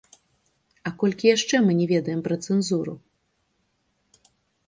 А колькі яшчэ мы не ведаем пра цэнзуру?